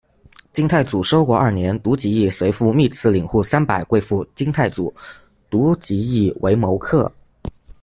金太祖收国二年，独吉义随父秘剌领户三百归附金太祖，独吉义为谋克。